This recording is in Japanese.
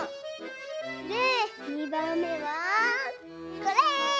でにばんめはこれ！